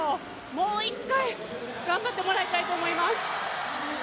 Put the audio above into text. もう一回、頑張ってもらいたいと思います。